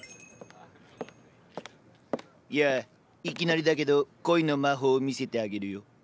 いきなりだけど恋の魔法を見せてあげるよ。